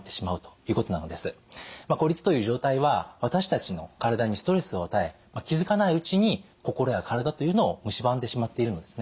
孤立という状態は私たちの体にストレスを与え気づかないうちに心や体というのをむしばんでしまっているのですね。